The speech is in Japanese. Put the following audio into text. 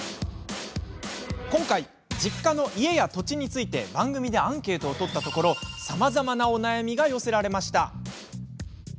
今回、実家の家や土地について番組でアンケートを取ったところさまざまなお悩みが寄せられました。